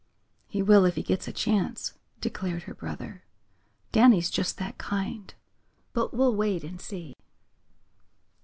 "He will if he gets a chance," declared her brother. "Danny's just that kind. But we'll wait and see."